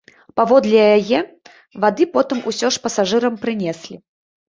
Паводле яе, вады потым усё ж пасажырам прынеслі.